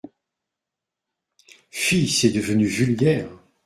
Fi ! c’est devenu vulgaire.